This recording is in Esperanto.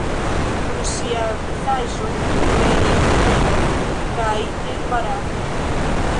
Sur ŝia vizaĝo aperis miro kaj embaraso.